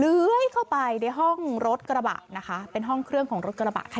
เลื้อยเข้าไปในห้องรถกระบะนะคะเป็นห้องเครื่องของรถกระบะค่ะ